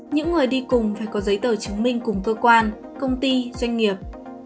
những người đi cùng phải có giấy tờ chứng minh cùng cơ quan công ty doanh nghiệp